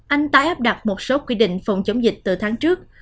anh ta áp đặt một số quy định phòng chống dịch từ tháng trước